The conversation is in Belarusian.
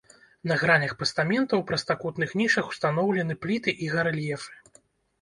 На гранях пастамента ў прастакутных нішах устаноўлены пліты і гарэльефы.